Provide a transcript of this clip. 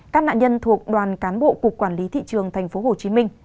các nạn nhân thuộc đoàn cán bộ cục quản lý thị trường tp hcm